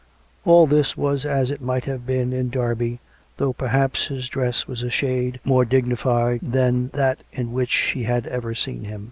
All this was as it might have been in Derby, though, perhaps, his dress was a shade more digni fied than that in which she had ever seen him.